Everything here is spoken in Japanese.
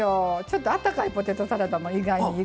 ちょっとあったかいポテトサラダも意外にいいかなと。